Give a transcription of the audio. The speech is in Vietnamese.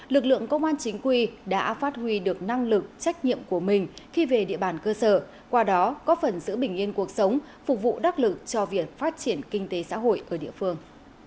lực lượng công an chính quy đã phát huy được năng lực trách nhiệm của mình khi về địa bàn cơ sở qua đó có phần giữ bình yên cuộc sống phục vụ đắc lực cho việc phát triển kinh tế xã hội ở địa phương